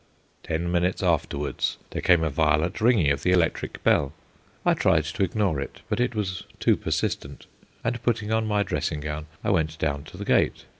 Ten minutes afterwards there came a violent ringing of the electric bell. I tried to ignore it, but it was too persistent, and, putting on my dressing gown, I went down to the gate.